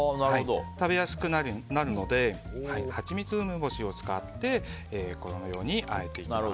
食べやすくなるのでハチミツ梅干しを使ってこのように、あえていきます。